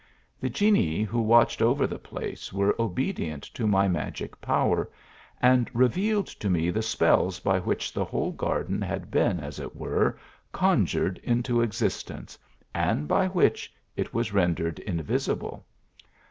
The genii who watch over the place, were obedient to my magic power, and reveal ed to me the spells by which the whole garden had been, as it were, conjured into existence, and by which it was rendered invisible.